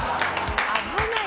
危ない。